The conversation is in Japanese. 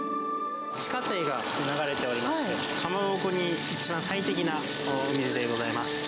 地下水が流れておりまして、かまぼこに一番最適なお水でございます。